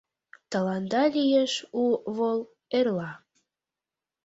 Тыланда лиеш у вол эрла».